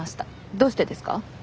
どうしてですか？